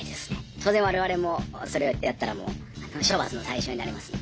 当然我々もそれをやったら処罰の対象になりますので。